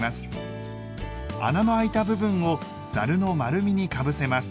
穴のあいた部分をざるの丸みにかぶせます。